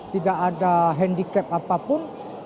tidak ada handicap apapun